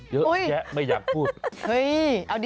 เยอะแยะไม่อยากพูด